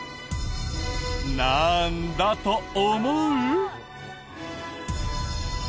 なんだと思う？